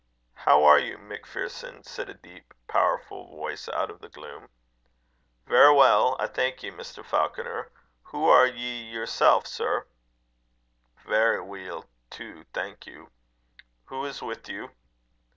"How are you, MacPherson?" said a deep powerful voice, out of the gloom. "Verra weel, I thank ye, Mr. Falconer. Hoo are ye yersel', sir?" "Very well too, thank you. Who is with you?"